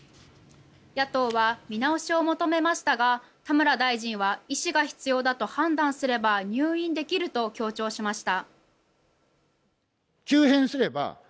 野党は見直しを求めましたが田村大臣は医師が必要だと判断すれば入院できると強調しました。